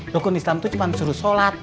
dokun islam tuh cuma suruh sholat